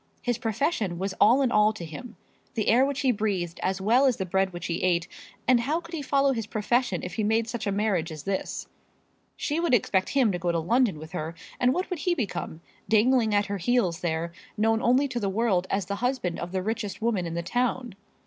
His profession was all in all to him, the air which he breathed as well as the bread which he ate; and how could he follow his profession if he made such a marriage as this? She would expect him to go to London with her; and what would he become, dangling at her heels there, known only to the world as the husband of the richest woman in the town?